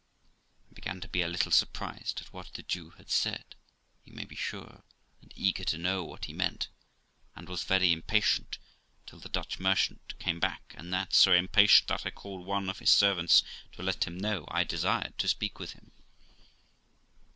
I began to be a little surprised at what the Jew had said, you may be sure, and eager to know what he meant, and was very impatient till the Dutch merchant came back, and that so impatient that I called one of his servants to let him know I desired to speak with him.